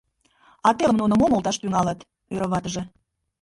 — А телым нуно мом олташ тӱҥалыт? — ӧрӧ ватыже.